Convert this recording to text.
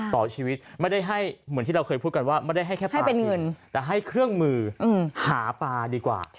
ต่อชีวิตไม่ได้ให้เหมือนที่เราเคยพูดกันว่าไม่ได้ให้แค่เป็นเงินแต่ให้เครื่องมือหาปลาดีกว่า